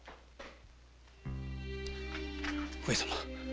上様！